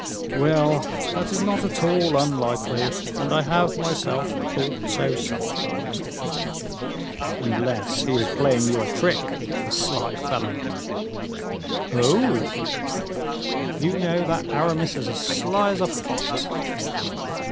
"Well, that is not at all unlikely, and I have myself thought so sometimes." "Unless he is playing you a trick, the sly fellow!" "Oh!" "You know that Aramis is as sly as a fox."